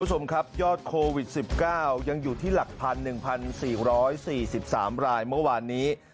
คุณผู้ชมครับยอดโควิด๑๙ยังอยู่ที่หลัก๑๑๔๔๔๓รายเมื่อวานนี้